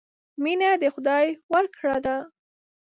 مینه د خدای ورکړه ده.